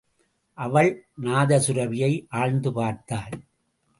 அவள் நாதசுரபியை ஆழ்ந்து பார்த்தாள்.